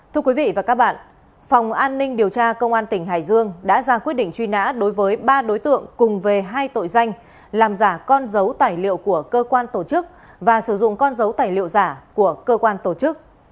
thưa quý vị và các bạn phòng an ninh điều tra công an tỉnh hải dương đã ra quyết định truy nã đối với ba đối tượng cùng về hai tội danh làm giả con dấu tài liệu của cơ quan tổ chức và sử dụng con dấu tài liệu giả của cơ quan tổ chức